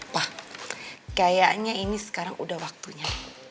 wah kayaknya ini sekarang udah waktunya